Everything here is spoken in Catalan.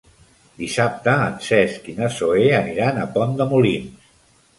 Dissabte en Cesc i na Zoè aniran a Pont de Molins.